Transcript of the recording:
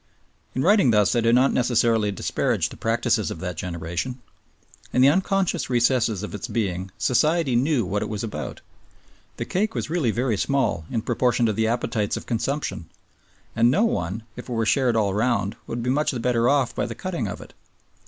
In writing thus I do not necessarily disparage the practices of that generation. In the unconscious recesses of its being Society knew what it was about. The cake was really very small in proportion to the appetites of consumption, and no one, if it were shared all round, would be much the better off by the cutting of it.